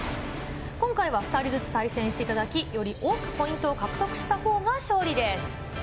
今回は２人ずつ対戦していただき、より多くポイントを獲得したほうが勝利です。